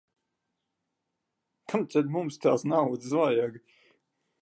Kam tad mums tās naudas vajag.